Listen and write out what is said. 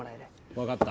わかった。